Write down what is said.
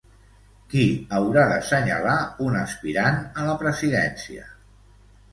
Qui haurà d'assenyalar un aspirant a la presidència?